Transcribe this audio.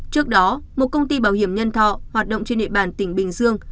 trước đó một công ty bảo hiểm nhân thọ hoạt động trên địa bàn tỉnh bình dương